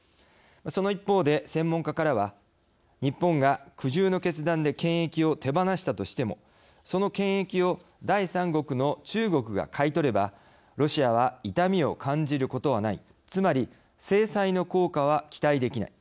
その一方で、専門家からは日本が苦渋の決断で権益を手放したとしてもその権益を第三国の中国が買い取ればロシアは痛みを感じることはないつまり制裁の効果は期待できない。